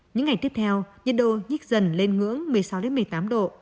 những ngày tiếp theo nhiệt độ nhích dần lên ngưỡng một mươi sáu một mươi tám độ